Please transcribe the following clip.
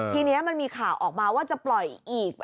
ทีนี้มันมีข่าวออกมาว่าจะปล่อยอีก